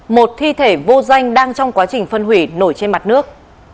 một thi thể vô danh đang trong quá trình phân hủy nổi trên mặt nước